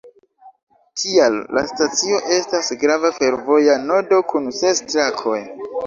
Tial la stacio estas grava fervoja nodo, kun ses trakoj.